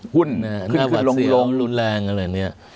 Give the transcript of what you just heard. หน้าวัดเสียงหลุนแรงอะไรเหนี้ย